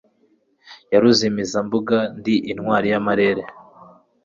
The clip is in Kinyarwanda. yaruzimizambuga ndi intwari yamarere